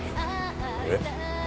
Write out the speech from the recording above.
えっ？